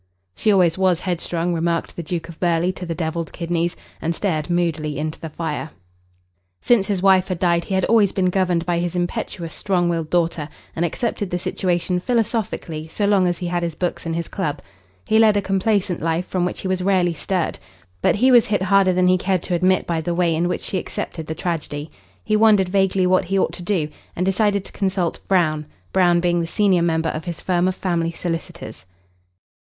"She always was headstrong," remarked the Duke of Burghley to the devilled kidneys, and stared moodily into the fire. Since his wife had died he had always been governed by his impetuous, strong willed daughter, and accepted the situation philosophically so long as he had his books and his club. He led a complacent life from which he was rarely stirred. But he was hit harder than he cared to admit by the way in which she accepted the tragedy. He wondered vaguely what he ought to do, and decided to consult Brown Brown being the senior member of his firm of family solicitors.